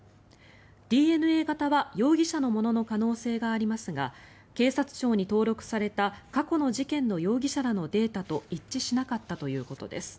ＤＮＡ型は容疑者のものの可能性がありますが警察庁に登録された過去の事件の容疑者らのデータと一致しなかったということです。